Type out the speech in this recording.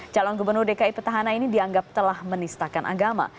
calon gubernur dki petahana ini dianggap telah menistakan agama